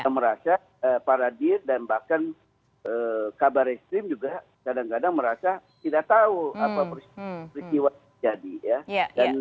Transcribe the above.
mereka merasa para dir dan bahkan kabar restri juga kadang kadang merasa tidak tahu apa beristiwa terjadi ya